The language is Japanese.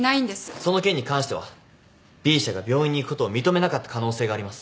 その件に関してはＢ社が病院に行くことを認めなかった可能性があります。